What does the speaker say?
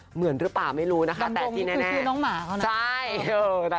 เหมือนหรือเปล่าไม่รู้นะคะแต่ที่แน่คือน้องหมาเขานะใช่